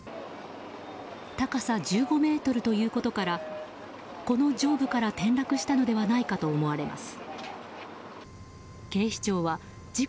高さ１５ｍということからこの上部から転落したのではないかと思われます。